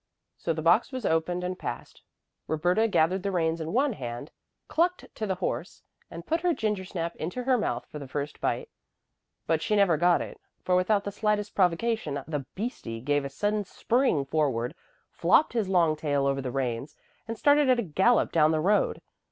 So the box was opened and passed. Roberta gathered the reins in one hand, clucked to the horse, and put her gingersnap into her mouth for the first bite. But she never got it, for without the slightest provocation the "beastie" gave a sudden spring forward, flopped his long tail over the reins, and started at a gallop down the road.